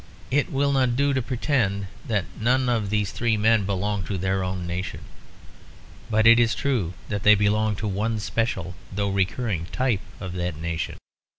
It will not do to pretend that none of these three men belong to their own nation; but it is true that they belonged to one special, though recurring, type of that nation.